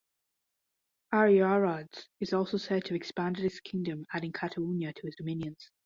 Ariarathes is also said to have expanded his kingdom adding Cataonia to his dominions.